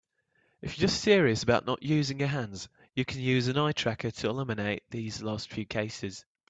If you're serious about not using your hands, you can use an eye tracker to eliminate these last few cases.